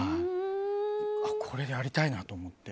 これ、やりたいなと思って。